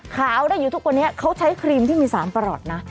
ขาวได้อยู่ทุกวันนี้เขาใช้ครีมที่มี๓ประหลอดนะ